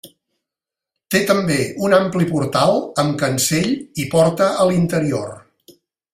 Té també un ampli portal amb cancell i porta a l'interior.